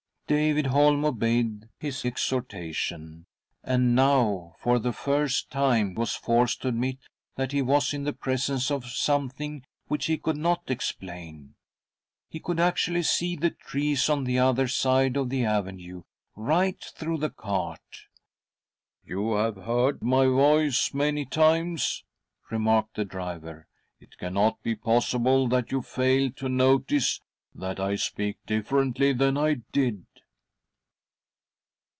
David Holm obeyed his exhortation, and now, ■•'■. 1 &&■■■ 56 THY SOUL SHALL BEAR WITNESS !:: for the first time,, was forced to admit that he was in the presence of. something which he could not explain. He could actually see the trees, on the other side of the avenue,, right ■ through the oU cart !' You have heard my voice many times," remarked the driver, " It cannot be possible that you fail to notice that I speak differently than I .did."